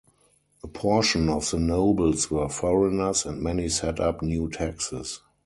A portion of the nobles were foreigners, and many set up new taxes.